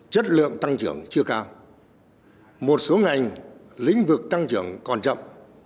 chất lượng tăng trưởng chưa cao một số ngành lĩnh vực tăng trưởng còn chậm